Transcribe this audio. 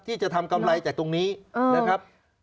ที่จะทำกำไรจากตรงนี้นะครับ